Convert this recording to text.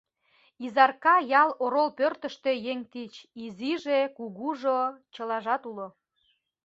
Изарка ял орол пӧртыштӧ еҥ тич: изиже, кугужо — чылажат уло.